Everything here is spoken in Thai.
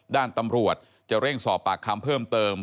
ด้านตำรวจจะเร่งสอบปากคำเพิ่มเติม